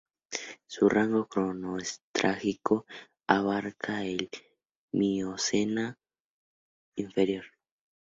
Su rango cronoestratigráfico abarcaba el Mioceno inferior.